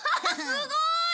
すごい！